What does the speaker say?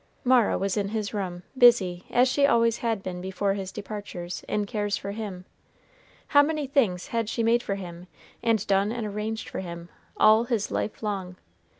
Mara was in his room, busy, as she always had been before his departures, in cares for him. How many things had she made for him, and done and arranged for him, all his life long!